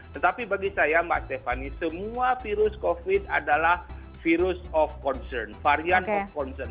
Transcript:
tetapi bagi saya mbak stefany semua virus covid adalah virus of concern varian of concern